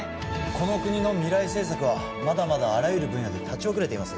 この国の未来政策はまだまだあらゆる分野で立ち遅れています